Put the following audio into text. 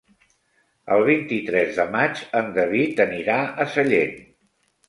El vint-i-tres de maig en David anirà a Sallent.